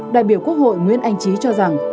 đại biểu quốc hội nguyễn anh trí cho rằng